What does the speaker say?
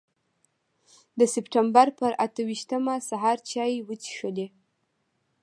د سپټمبر پر اته ویشتمه سهار چای وڅښلې.